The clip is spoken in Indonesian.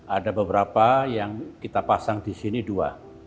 ada beberapa yang kita pasang di sini dua